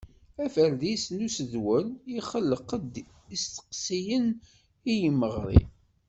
Aferdis n usedwel ixelleq-d isteqsiyen i yimeɣri.